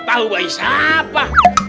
tahu bayi siapa